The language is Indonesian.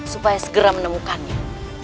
supaya segera menemukannya